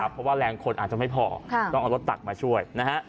เพราะว่าแรงคนอาจจะไม่พอต้องเอารถตักมาช่วยนะฮะ